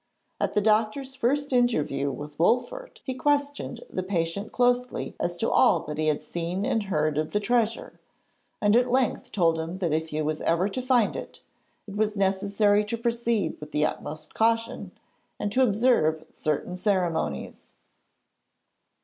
At the doctor's first interview with Wolfert he questioned the patient closely as to all that he had seen and heard of the treasure, and at length told him that if he was ever to find it, it was necessary to proceed with the utmost caution and to observe certain ceremonies.